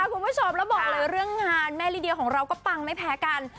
คุณผู้ชมแล้วบอกเลยเรื่องงานแม่ลิเดียของเราก็ปังไม่แพ้กัน